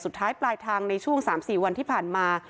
ท้ายปลายทางในช่วง๓๔วันที่ผ่านมา